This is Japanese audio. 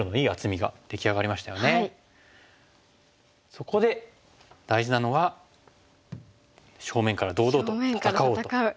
そこで大事なのは正面から堂々と戦おうと。